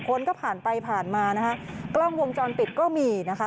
คนก็ผ่านไปผ่านมานะคะกล้องวงจรปิดก็มีนะคะ